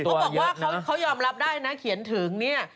เขาบอกว่าเขายอมรับได้นะเขียนถึงเนี่ย